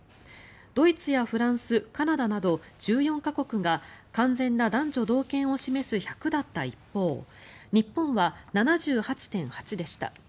ドイツやフランス、カナダなど１４か国が完全な男女同権を示す１００だった一方日本は７８．８でした。